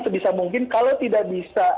sebisa mungkin kalau tidak bisa